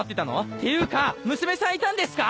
っていうか娘さんいたんですか！？